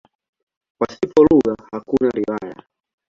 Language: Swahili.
Pasipo lugha hakuna riwaya.